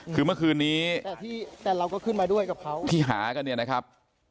คือเมื่อคืนนี้ที่หากันเนี่ยนะครับ